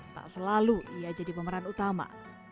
tak selalu ia jadi pemeran utama